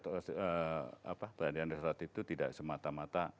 keadilan restoratif itu tidak semata mata